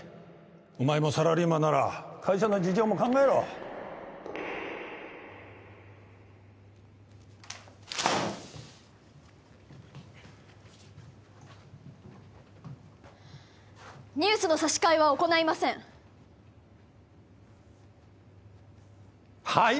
お前もサラリーマンなら会社の事情も考えろニュースの差し替えは行いませんはい！？